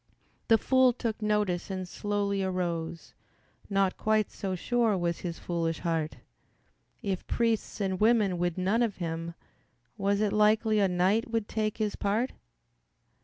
The fool took notice and slowly arose, Not quite so sure was his foolish heart. If priests and women would none of him Was it likely a knight would take his part?